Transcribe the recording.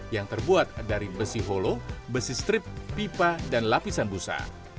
yang terbuat dari besi holo besi strip pipa dan lapisan busa